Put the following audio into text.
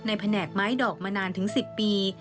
แผนกไม้ดอกมานานถึง๑๐ปี